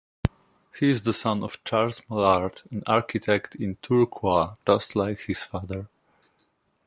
He is the son of Charles Maillard, an Architect in Tourcoing just like his father.